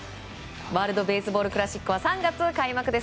ワールド・ベースボール・クラシックは３月の開幕です。